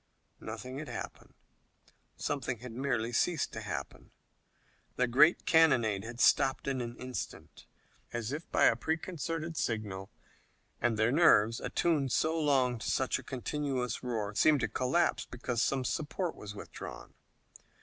Nothing had happened. Something had merely ceased to happen. The great cannonade had stopped in an instant, as if by a preconcerted signal, and their nerves, attuned so long to such a continuous roar, seemed to collapse, because some support was withdrawn.